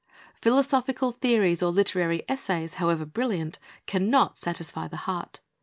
Philosophical theories or literary essays, however brilliant, can not satisfy the heart.